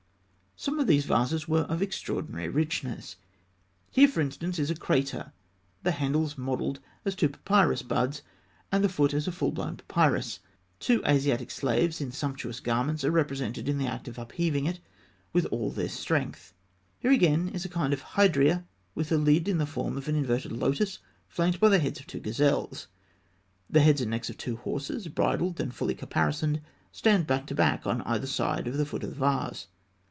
Some of these vases were of extraordinary richness. Here, for instance, is a crater, the handles modelled as two papyrus buds, and the foot as a full blown papyrus. Two Asiatic slaves in sumptuous garments are represented in the act of upheaving it with all their strength (fig. 288). Here, again, is a kind of hydria with a lid in the form of an inverted lotus flanked by the heads of two gazelles (fig. 289). The heads and necks of two horses, bridled and fully caparisoned, stand back to back on either side of the foot of the vase.